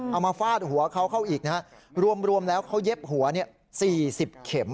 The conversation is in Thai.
มาฟาดหัวเขาเข้าอีกนะฮะรวมแล้วเขาเย็บหัว๔๐เข็ม